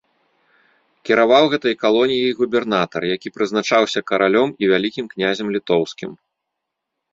Кіраваў гэтай калоніяй губернатар, які прызначаўся каралём і вялікім князем літоўскім.